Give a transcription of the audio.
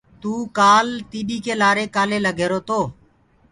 تو ڪآل تيڏي ڪي لآري ڪآلي لگرهيرو تو۔